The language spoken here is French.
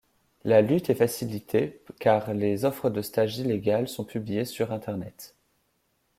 La lutte est facilitée car les offres de stage illégales sont publiées sur internet.